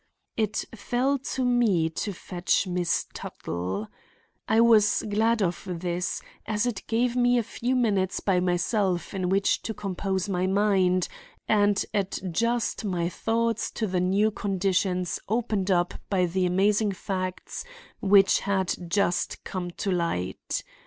It fell to me to fetch Miss Tuttle. I was glad of this, as it gave me a few minutes by myself in which to compose my mind and adjust my thoughts to the new conditions opened up by the amazing facts which had just come to light.